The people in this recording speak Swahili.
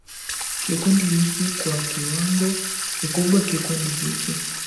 kikundi hiki Kwa kiwango kikubwa kikundi hiki